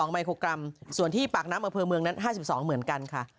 ไมโครกรัมส่วนที่ปากน้ำอำเภอเมืองนั้น๕๒เหมือนกันค่ะ